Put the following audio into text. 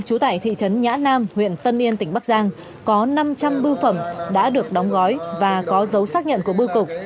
trú tại thị trấn nhã nam huyện tân yên tỉnh bắc giang có năm trăm linh bưu phẩm đã được đóng gói và có dấu xác nhận của bưu cục